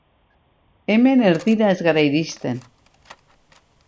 Hemen erdira ez gara iristen.